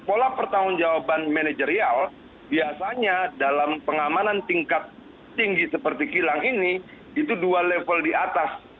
pola pertanggung jawaban manajerial biasanya dalam pengamanan tingkat tinggi seperti kilang ini itu dua level di atas